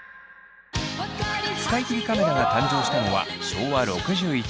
使い切りカメラが誕生したのは昭和６１年。